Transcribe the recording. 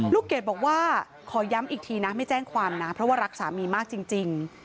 เกดบอกว่าขอย้ำอีกทีนะไม่แจ้งความนะเพราะว่ารักสามีมากจริง